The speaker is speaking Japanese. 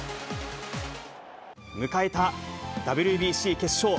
迎えたＷＢＣ決勝。